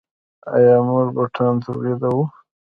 آیا موږ بوټان تولیدوو؟